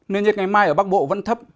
nên nhiệt ngày mai ở bắc bộ vẫn thấp